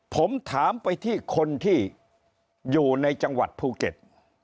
ผมถามไปที่คนที่อยู่ในจังหวัดภูเก็ต